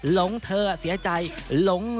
เตรียมป้องกันแชมป์ที่ไทยรัฐไฟล์นี้โดยเฉพาะ